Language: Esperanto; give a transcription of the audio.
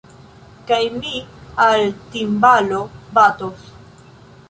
Kaj mi al timbalo batos.